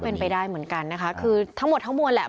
เป็นไปได้เหมือนกันนะคะคือทั้งหมดทั้งมวลแหละ